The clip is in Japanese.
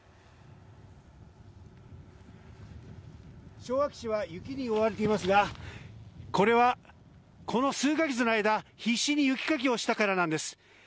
昭和基地は雪に覆われていますがこれはこの数カ月の間必死に雪かきをしたからなんです。